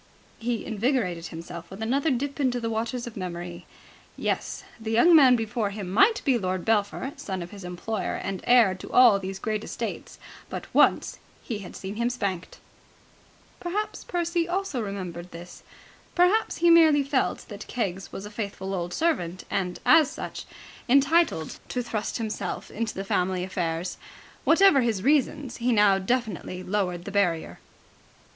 He invigorated himself with another dip into the waters of memory. Yes. The young man before him might be Lord Belpher, son of his employer and heir to all these great estates, but once he had seen him spanked. Perhaps Percy also remembered this. Perhaps he merely felt that Keggs was a faithful old servant and, as such, entitled to thrust himself into the family affairs. Whatever his reasons, he now definitely lowered the barrier.